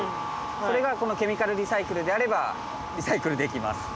それがこのケミカルリサイクルであればリサイクルできます。